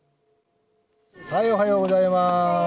おはようございます。